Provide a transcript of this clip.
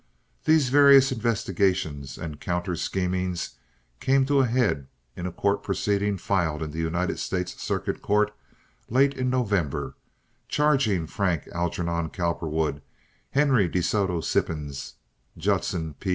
These various investigations and counter schemings came to a head in a court proceeding filed in the United States Circuit Court late in November, charging Frank Algernon Cowperwood, Henry De Soto Sippens, Judson P.